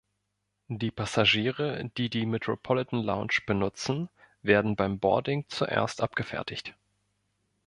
Die Passagiere, die die Metropolitan Lounge benutzen, werden beim Boarding zuerst abgefertigt.